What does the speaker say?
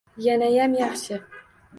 Yanayam yaxshi.